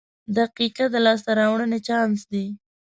• دقیقه د لاسته راوړنې چانس دی.